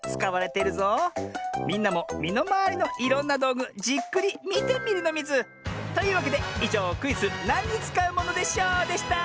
みんなもみのまわりのいろんなどうぐじっくりみてみるのミズ！というわけでいじょうクイズ「なんにつかうものでショー」でした！